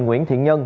nguyễn thiện nhân